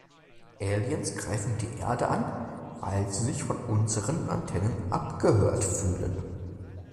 Aliens greifen die Erde an, weil sie sich von unseren Antennen abgehört fühlen.